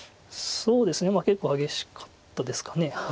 そうですね結構激しかったですかね。